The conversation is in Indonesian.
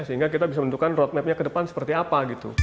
sehingga kita bisa menentukan roadmapnya ke depan seperti apa gitu